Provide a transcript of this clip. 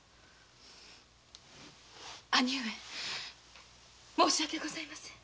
兄上申し訳ございません。